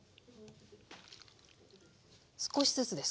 少しずつですか？